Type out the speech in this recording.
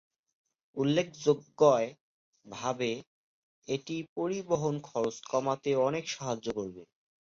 উল্লেখযোগ্য় ভাবে এটি পরিবহন খরচ কমাতে অনেক সাহায্য করবে।